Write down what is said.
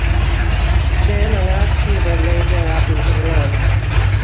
Then a large river lay there up into the land.